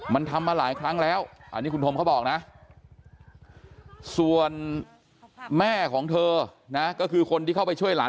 มันทำมาหลายครั้งแล้วอันนี้คุณธมเขาบอกนะส่วนแม่ของเธอนะก็คือคนที่เข้าไปช่วยหลาน